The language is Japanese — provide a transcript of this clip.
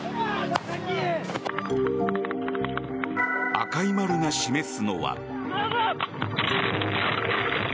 赤い丸が示すのは。